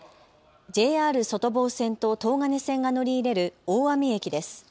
ＪＲ外房線と東金線が乗り入れる大網駅です。